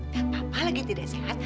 dan papa lagi tidak sehat